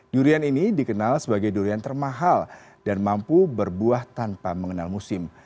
durian ini dikenal sebagai durian termahal dan mampu berbuah tanpa mengenal musim